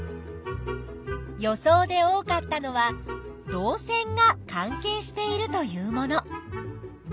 予想で多かったのは「導線が関係している」というもの。